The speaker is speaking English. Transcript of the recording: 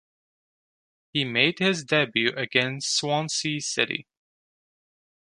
He made his debut against Swansea City.